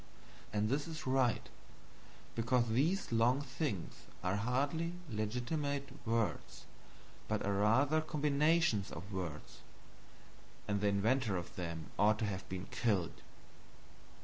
And it is right, because these long things are hardly legitimate words, but are rather combinations of words, and the inventor of them ought to have been killed.